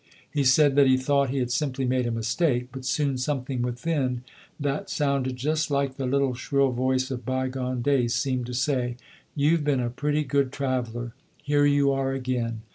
He said that he thought he had simply made a mistake, but soon something within that sounded just like the little shrill voice of bygone days seemed to say, "You've been a pretty good traveler. Here you are again.